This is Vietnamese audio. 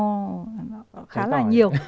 nó khá là nhiều